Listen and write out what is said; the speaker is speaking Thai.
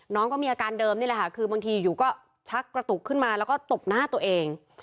น้องก็มีอาการเดิมนี่แหละค่ะคือบางทีอยู่ก็ชักกระตุกขึ้นมาแล้วก็ตบหน้าตัวเอง